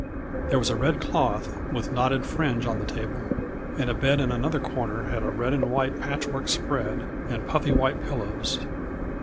There was a red cloth with knotted fringe on the table, and a bed in another corner had a red and white patchwork spread and puffy white pillows.